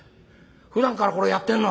ふだんからこれやってんの？